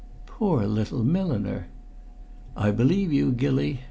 "Poor little milliner!" "I believe you, Gilly.